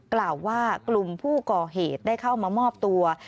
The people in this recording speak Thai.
กล่าวว่ากลุ่มผู้ก่อเหตุได้เข้ามามอบตัว